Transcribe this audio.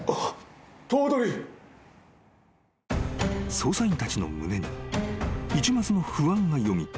［捜査員たちの胸に一抹の不安がよぎった］